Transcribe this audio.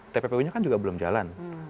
tppu nya kan juga belum jalan